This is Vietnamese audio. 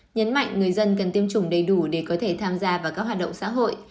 nhấn mạnh người dân cần tiêm chủng đầy đủ để có thể tham gia vào các hoạt động xã hội